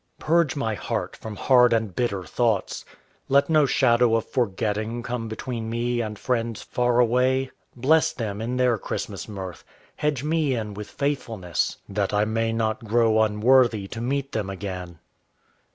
Purge my heart from hard and bitter thoughts. Let no shadow of forgetting come between me and friends far away: Bless them in their Christmas mirth: Hedge me in with faithfulness, That I may not grow unworthy to meet them again.